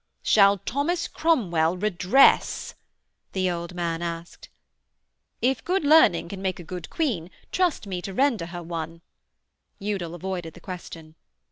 'Shall Thomas Cromwell redress?' the old man asked. 'If good learning can make a good queen, trust me to render her one,' Udal avoided the question.